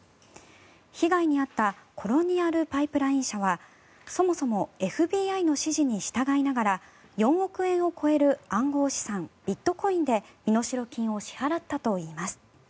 被害に遭ったコロニアルパイプライン社はそもそもＦＢＩの指示に従いながら４億円を超える暗号資産ビットコインで身代金を支払ったといいます。